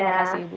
terima kasih ibu